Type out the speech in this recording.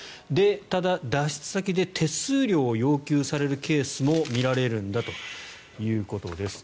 ただ、脱出先で手数料を要求されるケースも見られるんだということです。